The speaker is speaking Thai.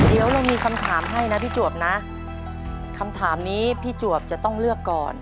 เดี๋ยวเรามีคำถามให้นะพี่จวบนะคำถามนี้พี่จวบจะต้องเลือกก่อน